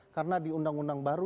karena di undang undang baru